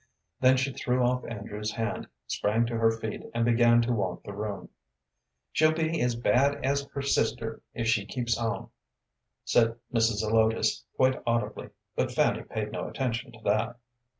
Then she threw off Andrew's hand, sprang to her feet, and began to walk the room. "She'll be as bad as her sister if she keeps on," said Mrs. Zelotes, quite audibly, but Fanny paid no attention to that.